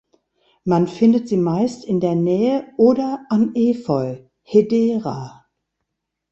Man findest sie meist in der Nähe oder an Efeu ("Hedera").